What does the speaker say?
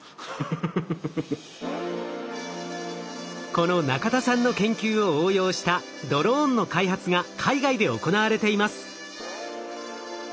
この中田さんの研究を応用したドローンの開発が海外で行われています。